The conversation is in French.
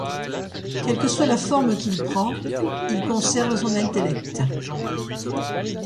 Quelle que soit la forme qu'il prend, il conserve son intellect.